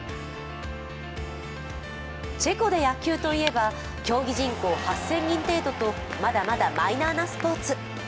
チェコで野球といえば競技人口８０００人程度とまだまだマイナーなスポーツ。